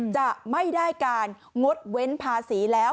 จะไม่ได้การงดเว้นภาษีแล้ว